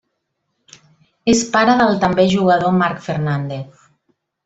És pare del també jugador Marc Fernández.